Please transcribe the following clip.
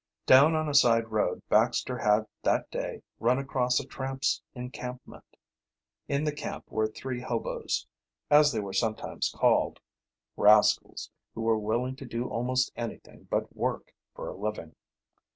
Down on a side road Baxter had that day run across a tramps' encampment. In the camp were three hoboes, as they are sometimes called rascals who were willing to do almost anything but work for a living.